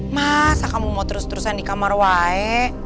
masa kamu mau terus terusan di kamar wae